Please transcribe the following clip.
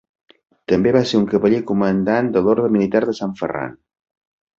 També va ser un cavaller comandant de l'Orde militar de Sant Ferran.